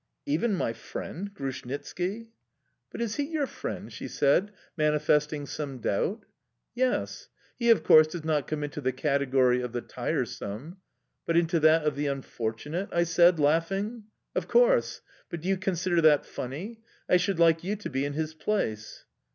"Even my friend, Grushnitski?" "But is he your friend?" she said, manifesting some doubt. "Yes." "He, of course, does not come into the category of the tiresome"... "But into that of the unfortunate!" I said, laughing. "Of course! But do you consider that funny? I should like you to be in his place"...